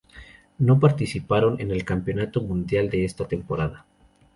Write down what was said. No participaron en el Campeonato Mundial de esta temporada.